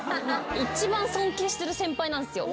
一番尊敬してる先輩なんですよ。